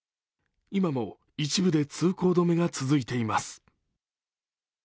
今も一部で通行止めが続いています。